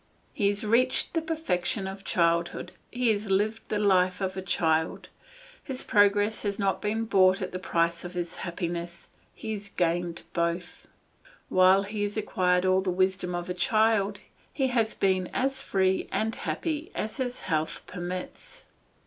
He has reached the perfection of childhood; he has lived the life of a child; his progress has not been bought at the price of his happiness, he has gained both. While he has acquired all the wisdom of a child, he has been as free and happy as his health permits.